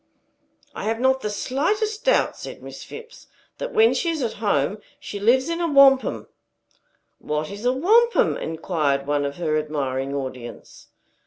"I have not the slightest doubt," said Miss Phipps, "that when she is at home she lives in a wampum." "What is a wampum?" inquired one of her admiring audience.